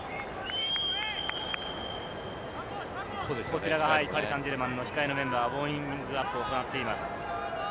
こちらがパリ・サンジェルマンの控えメンバー、ウオーミングアップを行っています。